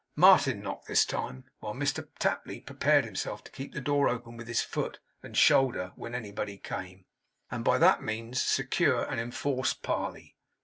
Martin knocked this time, while Mr Tapley prepared himself to keep the door open with his foot and shoulder, when anybody came, and by that means secure an enforced parley.